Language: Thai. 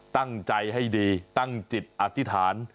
ตั้งใจให้ดีตั้งจิตอธิษฐาน